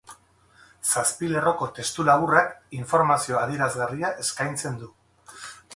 Zazpi lerroko testu laburrak informazio adierazgarria eskaintzen du.